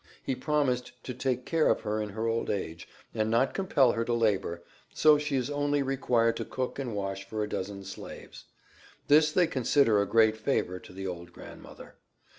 He promised to take care of her in her old age, and not compel her to labor, so she is only required to cook and wash for a dozen slaves. This they consider a great favor to the old 'grandmother.'